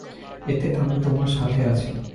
এতে আমি তোমার সাথে আছি।